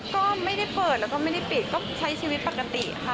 ก็ไม่ได้เปิดแล้วก็ไม่ได้ปิดก็ใช้ชีวิตปกติค่ะ